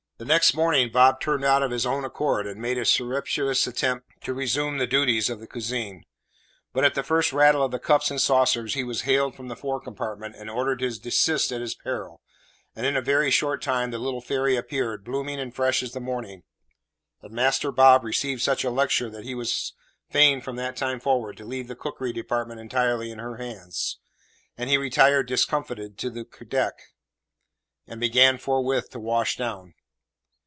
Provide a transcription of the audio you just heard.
The next morning, Bob turned out of his own accord, and made a surreptitious attempt to resume the duties of the cuisine; but at the first rattle of the cups and saucers he was hailed from the fore compartment and ordered to desist at his peril, and in a very short time the little fairy appeared, blooming and fresh as the morning, and Master Bob received such a lecture that he was fain from that time forward to leave the cookery department entirely in her hands, and he retired discomfited to the deck, and began forthwith to wash down.